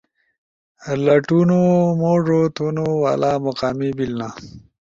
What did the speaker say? لٹونو، موڙو تھونو والا، مقامی بیلنا